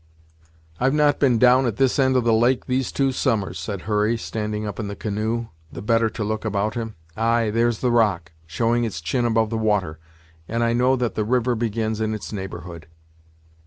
"I've not been down at this end of the lake these two summers," said Hurry, standing up in the canoe, the better to look about him. "Ay, there's the rock, showing its chin above the water, and I know that the river begins in its neighborhood."